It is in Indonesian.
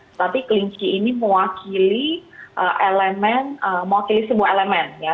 tetapi kelinci ini mewakili elemen mewakili sebuah elemen ya